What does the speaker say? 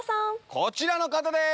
こちらの方です。